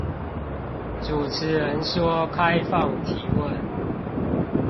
主持人說開放提問